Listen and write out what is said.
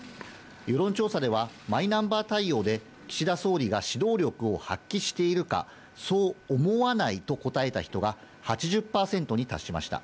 世論調査ではマイナンバー対応で岸田総理が指導力を発揮しているか、そう思わないと答えた人が８０％に達しました。